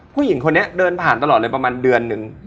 ผู้หญิงคนนี้เดินผ่านตลอดเลยประมาณเดือนหนึ่ง